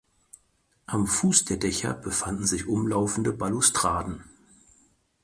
Am Fuß der Dächer befanden sich umlaufende Balustraden.